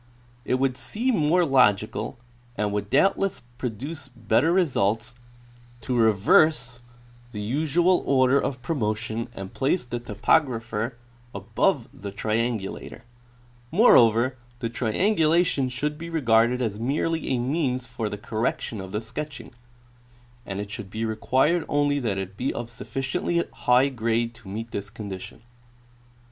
It would seem more logical and would doubtless produce better results to reverse the 2e52 Recent Worl: in the Pular Regions. usual order of promotion and place the topographer above the triangulator. Moreover, the triangulation should be regarded as merely a means for the correction of the sketching, and it should be required only that it be of sufficiently high grade to meet this condition.